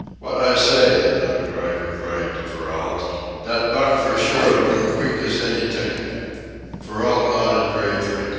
"Wot I say?" the dog driver cried to Perrault. "Dat Buck for sure learn queek as anyt'ing." Perrault nodded gravely.